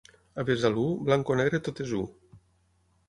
A Besalú, blanc o negre tot és u.